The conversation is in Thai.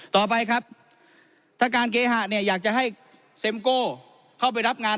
ต่อไปครับถ้าการเคหะเนี่ยอยากจะให้เซ็มโก้เข้าไปรับงาน